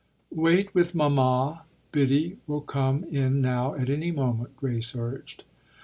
"Wait with mamma. Biddy will come in now at any moment," Grace urged.